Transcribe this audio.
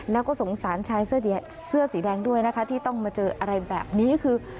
แล้วก็สงสารชายเสื้อสีแดงด้วยนะคะที่ต้องมาเจออะไรแบบนี้คือ